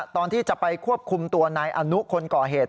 ตอนที่จะไปควบคุมตัวนายอนุคนก่อเหตุ